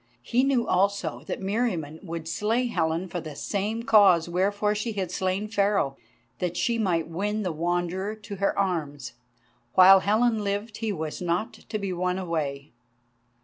He knew also that Meriamun would slay Helen for the same cause wherefore she had slain Pharaoh, that she might win the Wanderer to her arms. While Helen lived he was not to be won away.